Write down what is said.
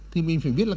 thì mình phải biết là